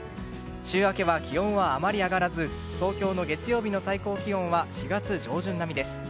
週明けは気温はあまり上がらず東京の月曜日の最高気温は４月上旬並みです。